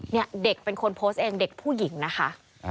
เนี่ยเด็กเป็นคนโพสต์เองเด็กผู้หญิงนะคะ